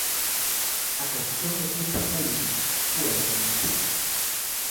A cuestión é puro centralismo, pura dependencia.